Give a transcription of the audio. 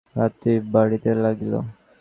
রাত্রি বাড়িতে লাগিল।